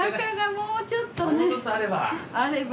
もうちょっとあれば。